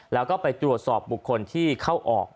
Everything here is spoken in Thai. แล้วก็ไปตรวจสอบบุคคลที่เข้าออก